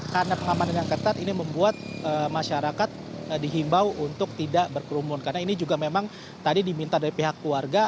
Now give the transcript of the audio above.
karena pengamanan yang ketat ini membuat masyarakat dihimbau untuk tidak berkerumun karena ini juga memang tadi diminta dari pihak keluarga